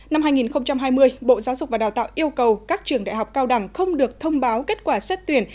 năm hai nghìn hai mươi bộ giáo dục và đào tạo yêu cầu các trường đại học cao đẳng không được thông báo kết quả xét tuyển